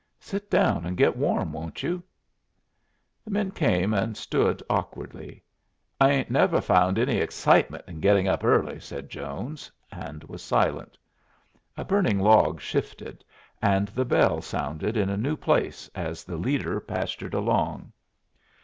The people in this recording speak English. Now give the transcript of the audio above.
Sit down and get warm, won't you?" The men came and stood awkwardly. "I 'ain't never found any excitement in getting up early," said Jones, and was silent. A burning log shifted, and the bell sounded in a new place as the leader pastured along.